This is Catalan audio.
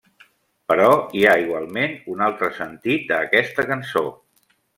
Però hi ha igualment un altre sentit a aquesta cançó.